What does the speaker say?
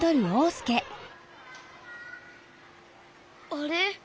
あれ？